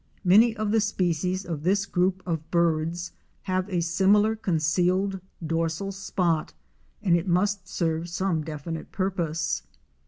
Many of the species of this group of birds have a similar concealed dorsal spot, and it must serve some definite purpose.